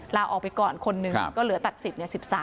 ลาออกไปก่อนคนหนึ่งก็เหลือตัดสิทธิ์๑๓